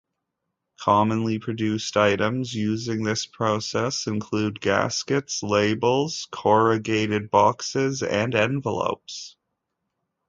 Commonly produced items using this process include gaskets, labels, corrugated boxes, and envelopes.